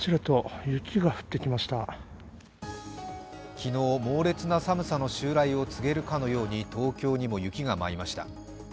昨日、猛烈な寒さの襲来を告げるかのように東京にも雪が舞いました。